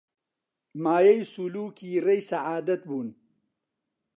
مایەی سولووکی ڕێی سەعادەت بوون